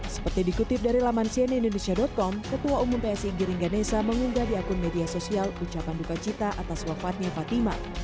seperti dikutip dari laman cnnindonesia com ketua umum psi giring ganesa mengunggah di akun media sosial ucapan duka cita atas wafatnya fatima